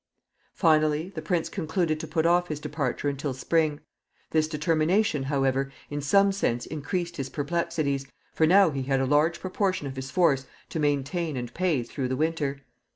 Finally, the prince concluded to put off his departure until spring. This determination, however, in some sense increased his perplexities, for now he had a large proportion of his force to maintain and pay through the winter.